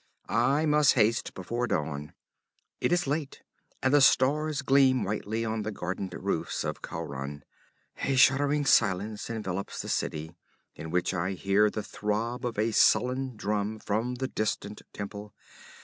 I must haste, before dawn. It is late, and the stars gleam whitely on the gardened roofs of Khauran. A shuddering silence envelops the city, in which I hear the throb of a sullen drum from the distant temple.